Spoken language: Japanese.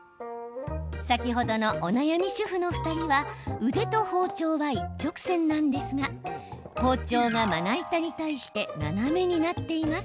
先ほどのお悩み主婦の２人は腕と包丁は一直線なんですが包丁が、まな板に対して斜めになっています。